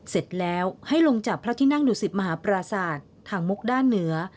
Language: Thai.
เสร็จแล้วให้ลงจากพระที่นั่งดุสิตมหาปราศาสตร์ทางมุกด้านเหนือ